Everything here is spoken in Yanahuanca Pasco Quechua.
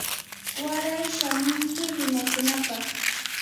waray shamunki rimakunapaq.